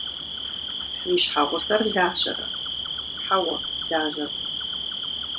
Уи щхьэгъусэр лажьэрэ? – Хьэуэ, лажьэркъым.